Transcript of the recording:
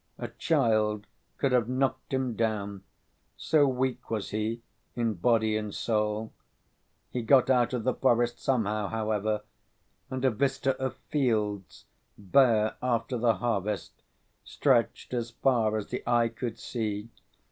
A child could have knocked him down, so weak was he in body and soul. He got out of the forest somehow, however, and a vista of fields, bare after the harvest, stretched as far as the eye could see.